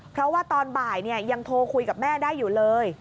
เพราะว่าตอนบ่ายยังโทรคุยกับแม่ได้อยู่เลย